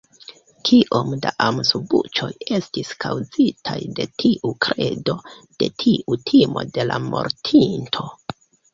Kiom da amasbuĉoj estis kaŭzitaj de tiu kredo, de tiu timo de la mortinto.